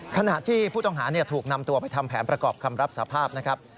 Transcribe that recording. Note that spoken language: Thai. ขณะที่ผู้ต้องหาถูกนำตัวไปทำแผนประกอบคำรับสภาพนะครับ